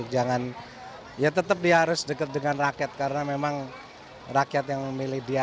jangan ya tetap dia harus dekat dengan rakyat karena memang rakyat yang memilih dia